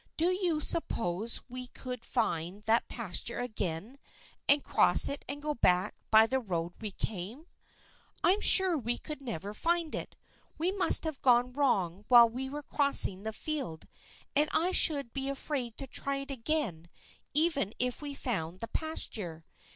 Do you sup pose we could find that pasture again and cross it and go back by the road we came ?"" I am sure we could never find it. We must have gone wrong while we were crossing the field and I should be afraid to try it again even if we found the pasture.